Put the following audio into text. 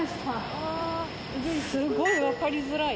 すごい分かりづらい。